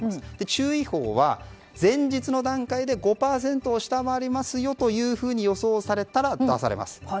注意報は前日の段階で５％を下回りますよと予想されたら出されます。